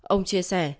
ông chia sẻ